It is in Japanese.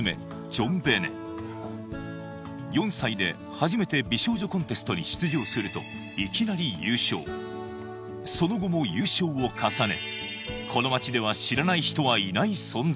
ジョンベネ４歳で初めて美少女コンテストに出場するといきなり優勝その後も優勝を重ね